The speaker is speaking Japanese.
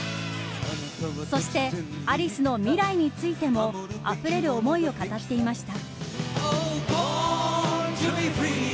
そして、アリスの未来についてもあふれる思いを語っていました。